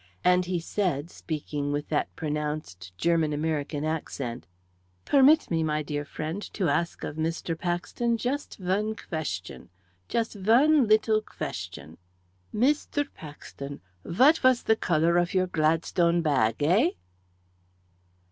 And he said, speaking with that pronounced German American accent "Permit me, my dear friend, to ask of Mr. Paxton just one question just one little question. Mr. Paxton, what was the colour of your Gladstone bag, eh?"